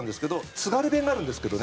津軽弁があるんですけどね。